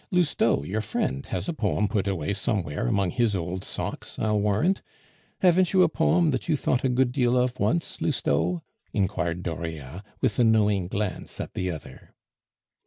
Lousteau, your friend, has a poem put away somewhere among his old socks, I'll warrant. Haven't you a poem that you thought a good deal of once, Lousteau?" inquired Dauriat, with a knowing glance at the other.